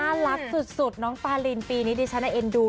น่ารักสุดน้องปารินปีนี้ดิฉันเอ็นดู